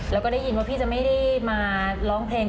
แล้วก็ได้ยินว่าพี่จะไม่ได้มาร้องเพลง